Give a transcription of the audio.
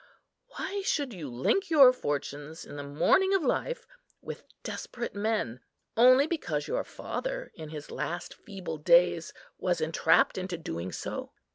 Why should you link your fortunes, in the morning of life, with desperate men, only because your father, in his last feeble days, was entrapped into doing so?